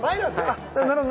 あっなるほど。